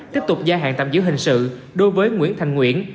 tiếp tục gia hạn tạm giữ hình sự đối với nguyễn thành nguyễn